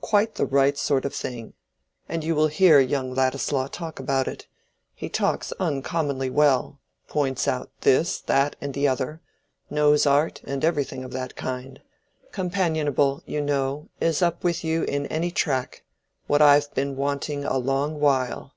Quite the right sort of thing. And you will hear young Ladislaw talk about it. He talks uncommonly well—points out this, that, and the other—knows art and everything of that kind—companionable, you know—is up with you in any track—what I've been wanting a long while."